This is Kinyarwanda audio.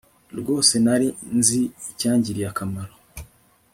rwose nari nzi icyangiriye akamaro